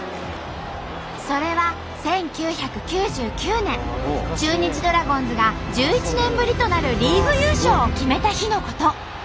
それは１９９９年中日ドラゴンズが１１年ぶりとなるリーグ優勝を決めた日のこと。